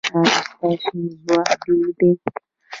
ایا ستاسو ځواک ډیر دی؟